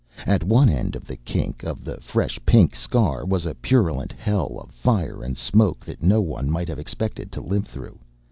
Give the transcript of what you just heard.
At one end of the kink of the fresh, pink scar was a purulent hell of fire and smoke that no one might have expected to live through.